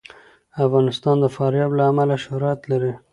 افغانستان د فاریاب له امله شهرت لري.